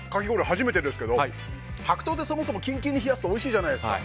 初めてですけど白桃ってそもそもキンキンに冷やすとおいしいじゃないですか。